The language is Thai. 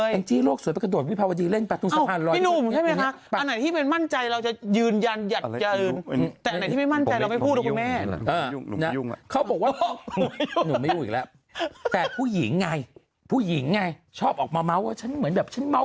ไม่ใจเราจะยืนยันอยากเจอไหนมั้ยบ้าหญิงไงชอบออกมาว่าฉันเหมือนเดียวกับ